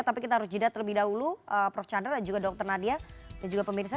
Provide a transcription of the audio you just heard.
tapi kita harus jeda terlebih dahulu prof chandra dan juga dr nadia dan juga pemirsa